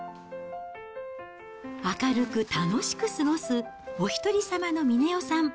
明るく楽しく過ごす、お一人様の峰代さん。